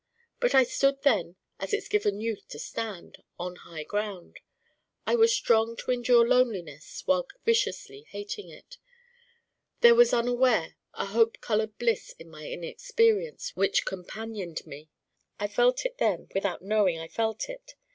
But I stood then as it's given Youth to stand on High Ground. I was strong to endure loneliness while viciously hating it. There was unaware a hope colored bliss in my inexperience which companioned me. I felt it then without knowing I felt it.